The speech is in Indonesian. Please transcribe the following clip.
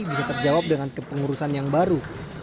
bisa terjawab dengan kepengurusan yang baru